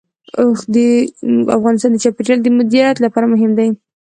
اوښ د افغانستان د چاپیریال د مدیریت لپاره مهم دي.